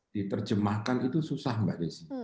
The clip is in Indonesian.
diterjemahkan itu susah mbak desi